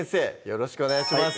よろしくお願いします